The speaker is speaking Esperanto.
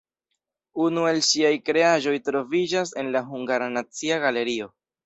Unu el ŝiaj kreaĵoj troviĝas en la Hungara Nacia Galerio.